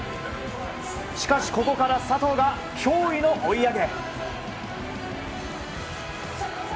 しかしここから佐藤が驚異の追い上げ。